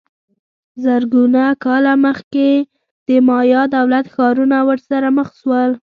زرګونه کاله مخکې د مایا دولت ښارونه ورسره مخ سول